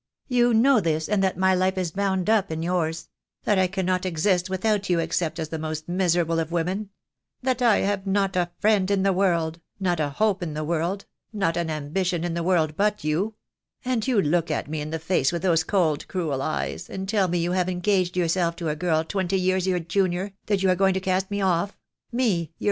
You know this, and that my life is bound up in yours; that I cannot exist without you except as the most miserable of women; that I have not a friend in the world, not a hope in the world, not an ambition in the world but you; and you look me in the face with those cold, cruel eyes, and tell me you have engaged yourself to a girl twenty years your junior, that you are going to cast me off — me, your THE DAY WILL COME.